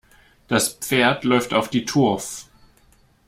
Das Pferd läuft auf die Turf.